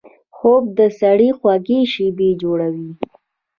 خوب د سړي خوږې شیبې جوړوي